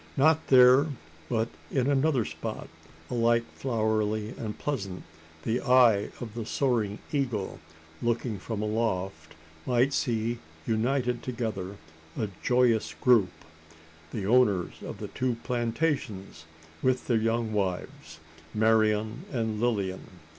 Not there, but in another spot, alike flowery and pleasant, the eye of the soaring eagle, looking from aloft, may see united together a joyous group the owners of the two plantations with their young wives, Marian and Lilian.